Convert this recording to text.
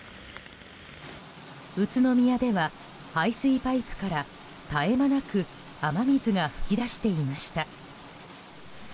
宇都宮では、排水パイプから絶え間なく雨水が噴き出していました。